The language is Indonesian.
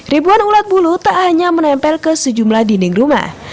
ribuan ulat bulu tak hanya menempel ke sejumlah dinding rumah